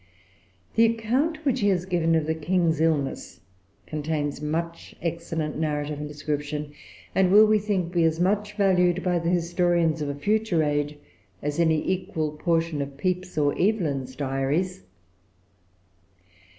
The account which she has given of the King's illness contains much excellent narrative and description, and will, we think, be as much valued by the historians of a future age as any equal portion of Pepys's or Evelyn's Diaries.